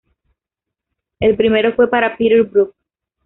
El primero fue para Peter Brook.